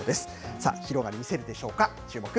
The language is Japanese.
さあ、広がり見せるでしょうか、チューモク！